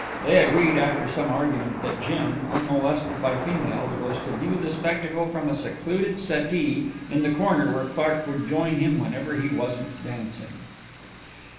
They agreed after some argument that Jim, unmolested by females, was to view the spectacle from a secluded settee in the corner where Clark would join him whenever he wasn't dancing.